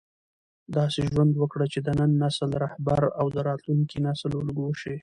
داسې ژوند وکړه چې د نن نسل رهبر او د راتلونکي نسل الګو شې.